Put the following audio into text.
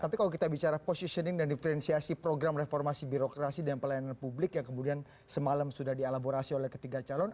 tapi kalau kita bicara positioning dan diferensiasi program reformasi birokrasi dan pelayanan publik yang kemudian semalam sudah dialaborasi oleh ketiga calon